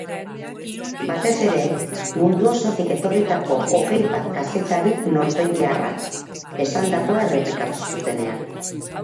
Batez ere, mundu osotik etorritako hogei bat kazetarik norbegiarrak esandakoa errepikatu zutenean.